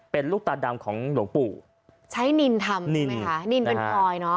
เป็นลูกตาดำของหลวงปู่ใช้นินทำใช่ไหมคะนินเป็นพลอยเนอะ